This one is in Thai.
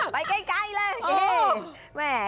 ไปใกล้เลยเฮ่ย